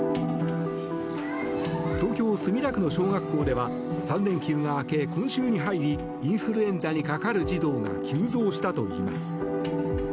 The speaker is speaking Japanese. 東京・墨田区の小学校では３連休が明け今週に入りインフルエンザにかかる児童が急増したといいます。